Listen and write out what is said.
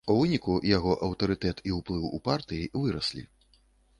У выніку яго аўтарытэт і ўплыў у партыі выраслі.